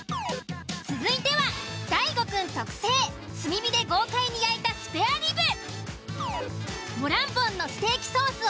続いては大悟くん特製炭火で豪快に焼いたスペアリブ。